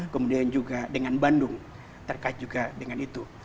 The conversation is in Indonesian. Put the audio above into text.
kemudian juga dengan bandung terkait juga dengan itu